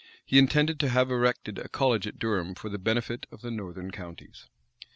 [*] He intended to have erected a college at Durham for the benefit of the northern counties.